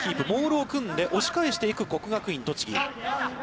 モールを組んで押し返していく国学院栃木。